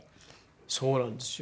そうなんですよ。